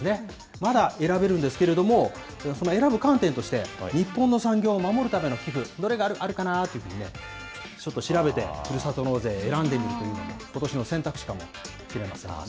まだ選べるんですけれども、その選ぶ観点として、日本の産業を守るための寄付、どれがあるかなというふうにちょっと調べて、ふるさと納税選んでみるというのもことしの選択肢かもしれませんね。